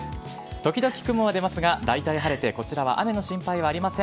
時々雲が出ますがだいたい晴れてこちらは雨の心配はありません。